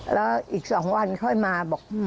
แล้วอีก๒วันค่อยมาบอก